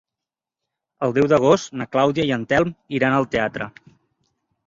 El deu d'agost na Clàudia i en Telm iran al teatre.